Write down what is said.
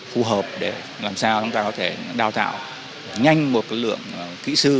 phù hợp để làm sao chúng ta có thể đào tạo nhanh một lượng kỹ sư